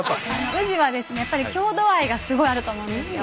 宇治はやっぱり郷土愛がすごいあると思うんですよ。